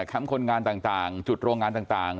คล้ำคนงานต่างต่างจุดโรงงานต่างต่าง